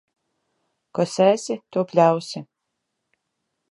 Ko sēsi, to pļausi.